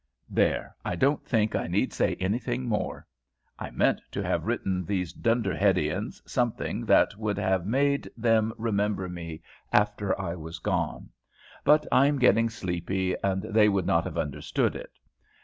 There, I don't think I need say anything more. I meant to have written these Dunderheadians something that would have made them remember me after I was gone; but I am getting sleepy, and they would not have understood it.